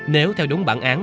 nếu theo đúng bản án